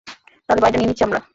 তাহলে, বাড়িটা নিয়ে নিচ্ছি আমরা?